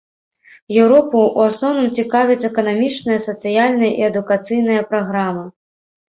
Еўропу ў асноўным цікавяць эканамічныя, сацыяльныя і адукацыйныя праграмы.